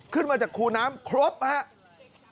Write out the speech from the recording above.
ขึ้นมาจากคูน้ำครบครับ